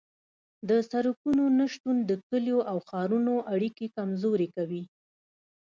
د سرکونو نشتون د کلیو او ښارونو اړیکې کمزورې کوي